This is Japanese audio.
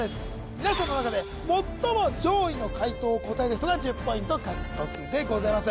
皆さんの中で最も上位の解答を答えた人が１０ポイント獲得でございます